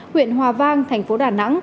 huyện hòa vang thành phố đà nẵng